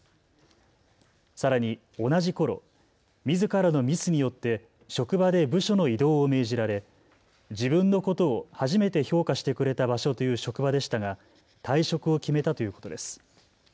さらに同じころ、みずからのミスによって職場で部署の異動を命じられ自分のことを初めて評価してくれた場所という職場でしたが退職を決めたということです。